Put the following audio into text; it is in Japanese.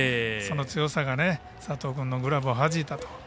強さが佐藤君のグラブをはじいたと。